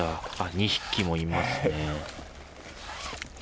２匹もいますね。